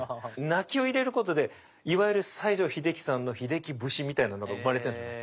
泣きを入れることでいわゆる西城秀樹さんのヒデキ節みたいなのが生まれてるんだね。